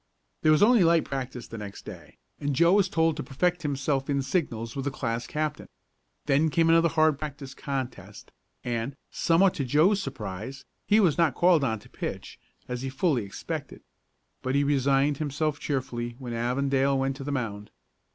There was only light practice the next day, and Joe was told to perfect himself in signals with the class captain. Then came another hard practice contest, and, somewhat to Joe's surprise, he was not called on to pitch, as he fully expected. But he resigned himself cheerfully when Avondale went to the mound.